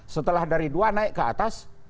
setelah dari dua naik ke atas